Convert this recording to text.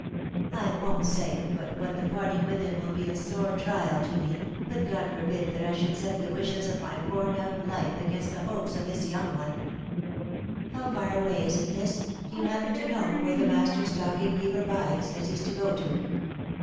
I won't say but what the parting with him will be a sore trial to me, but God forbid that I should set the wishes of my worn out life against the hopes of his young one. OF MICHAEL ARMSTRONG. 147 How far away is it Miss, do you happen to know where the master stocking weaver bides, as he's to go to